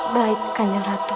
baikkan kanjeng ratu